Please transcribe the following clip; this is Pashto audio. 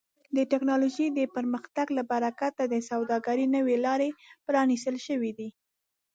د ټکنالوژۍ د پرمختګ له برکت د سوداګرۍ نوې لارې پرانیستل شوي دي.